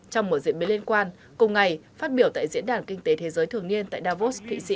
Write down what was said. trong một diễn biến liên quan cùng ngày phát biểu tại diễn đàn kinh tế thế giới thường niên tại davos thụy sĩ